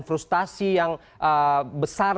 frustasi yang besar